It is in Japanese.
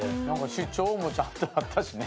主張もちゃんとあったしね。